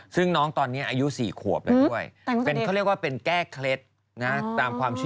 ซึ่งน้องตอนนี้อายุ๔ขวบ